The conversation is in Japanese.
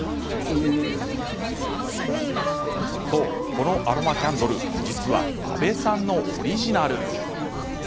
このアロマキャンドル実は阿部さんのオリジナル。